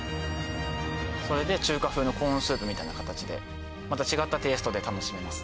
それで中華風のコーンスープみたいな形でまた違ったテイストで楽しめます